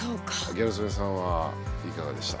ギャル曽根さんはいかがでした？